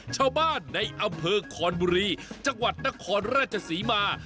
ชาวบ้านในอำเภอคอนบุรีจังหวัดนครราชศรีมา